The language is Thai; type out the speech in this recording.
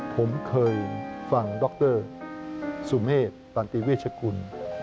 ผมเคยฟังดรสุเมฆตันติเวชกุล